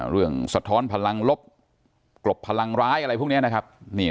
สะท้อนพลังลบกลบพลังร้ายอะไรพวกนี้นะครับ